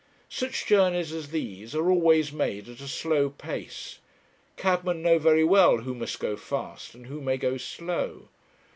Such journeys as these are always made at a slow pace. Cabmen know very well who must go fast, and who may go slow.